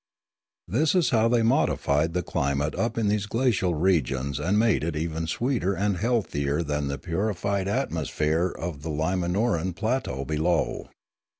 This was how they modified the climate up in The Lilaran 177 these glacial regions and made it even sweeter and healthier than the purified atmosphere of the Lima uoran plateaux below.